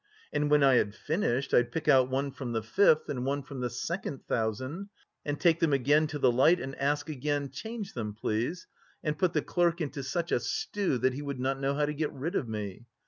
And when I had finished, I'd pick out one from the fifth and one from the second thousand and take them again to the light and ask again, 'Change them, please,' and put the clerk into such a stew that he would not know how to get rid of me.